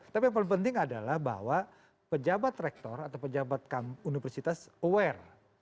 tapi yang paling penting adalah bahwa pejabat rektor atau pejabat universitas aware